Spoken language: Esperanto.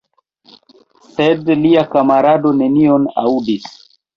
Sed lia kamarado nenion aŭdis.